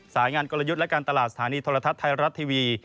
สายงานกลยุทธ์และการตลาดสถานีโทรทัศน์ไทยรัฐทีวี